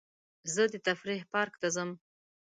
زه د تفریح پارک ته ځم.